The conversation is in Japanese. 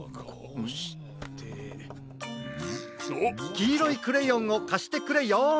きいろいクレヨンをかしてくれよん。